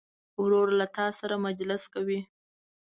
ورور له تا سره مجلس کوي.